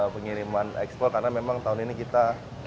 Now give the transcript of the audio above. pengiriman ekspor karena memang tahun ini kita